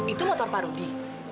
itu motor pak rudi